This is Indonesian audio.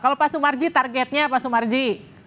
kalau pak sumarji targetnya pak sumarji